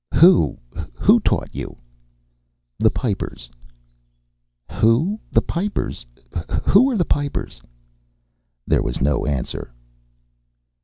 "Who? Who taught you?" "The Pipers." "Who? The Pipers? Who are the Pipers?" There was no answer.